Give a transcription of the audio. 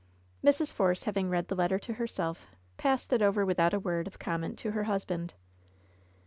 '* Mrs. Force having read the letter to herself, passed it over without a word of comment to her husband.